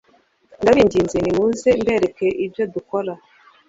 ndabinginze nimuze mbereka ibyo dukora